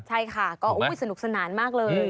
ใช่ค่ะก็สนุกสนานมากเลย